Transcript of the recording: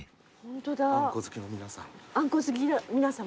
あんこ好きの皆さん。